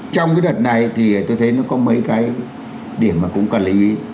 trong cái đợt này thì tôi thấy nó có mấy cái điểm mà cũng cần lưu ý